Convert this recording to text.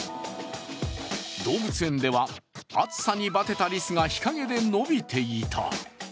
動物園では、暑さにバテたリスが日陰でのびていた。